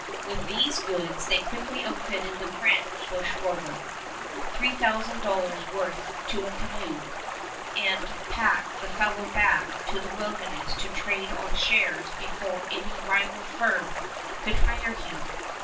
With these goods they quickly outfitted the French bushrover $3000 worth to a canoe and packed the fellow back to the wilderness to trade on shares before any rival firm could hire him.